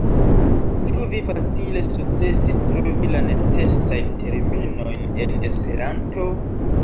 Ĉu vi facile sukcesis trovi la necesajn terminojn en Esperanto?